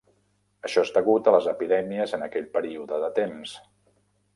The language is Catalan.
Això és degut a les epidèmies en aquell període de temps.